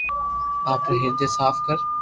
آپري ھردي صاف ڪر